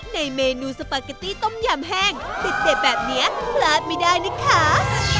ในเมนูสปาเกตตี้ต้มยำแห้งเด็ดแบบนี้พลาดไม่ได้นะคะ